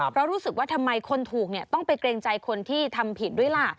เพราะรู้สึกว่าทำไมคนถูกต้องไปเกรงใจคนที่ทำผิดด้วยล่ะ